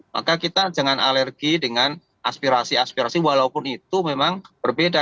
maka kita jangan alergi dengan aspirasi aspirasi walaupun itu memang berbeda